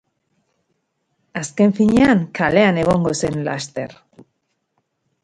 Azken finean, kalean egongo zen laster!